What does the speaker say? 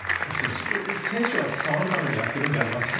選手は騒ぐためにやってるんじゃありません。